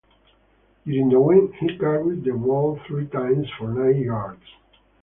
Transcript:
During the win, he carried the ball three times for nine yards.